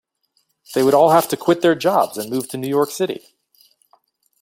They would all have to quit their jobs and move to New York City.